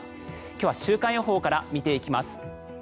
今日は週間予報から見ていきます。